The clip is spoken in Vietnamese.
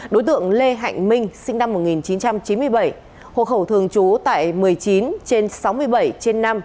đối tượng lê hạnh minh sinh năm một nghìn chín trăm chín mươi bảy hộ khẩu thường trú tại một mươi chín trên sáu mươi bảy trên năm